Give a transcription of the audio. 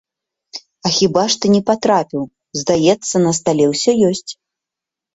А хіба ж ты не патрапіў, здаецца, на стале ўсё ёсць.